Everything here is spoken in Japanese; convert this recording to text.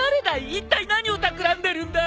いったい何をたくらんでるんだ！？